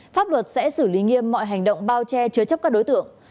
pháp luật sẽ xử lý nghiêm mọi hành động bao che chứa chấp các đối tượng